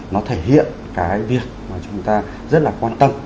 nó thể hiện cái việc mà chúng ta rất là quan tâm